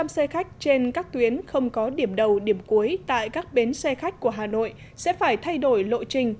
bốn trăm linh xe khách trên các tuyến không có điểm đầu điểm cuối tại các bến xe khách của hà nội sẽ phải thay đổi lộ trình